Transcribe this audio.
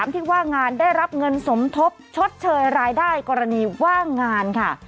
ที่ว่างงานได้รับเงินสมทบชดเชยรายได้กรณีว่างงานค่ะ